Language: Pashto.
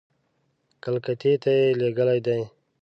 کلکتې ته یې لېږلي دي.